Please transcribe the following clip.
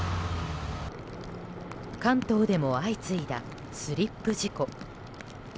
関東でも相次いだスリップ事故。